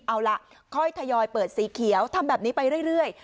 เอาล่ะค่อยทยอยเปิดสีเขียวทำแบบนี้ไปเรื่อย